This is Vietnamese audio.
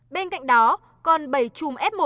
bên cạnh đó còn bảy chùm f một